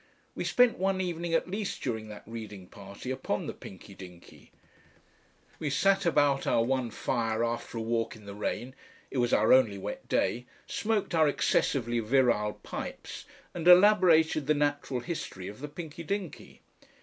We spent one evening at least during that reading party upon the Pinky Dinky; we sat about our one fire after a walk in the rain it was our only wet day smoked our excessively virile pipes, and elaborated the natural history of the Pinky Dinky.